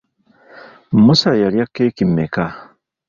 Musa yalya keeki mmeka?